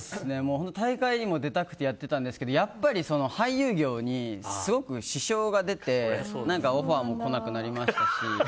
大会にも出たくてやっていたんですけどやっぱり俳優業にすごく支障が出てオファーも来なくなりましたし。